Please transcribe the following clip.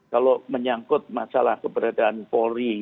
kalau menyangkut masalah keberadaan polri